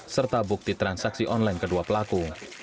serta bukti transaksi online kedua pelaku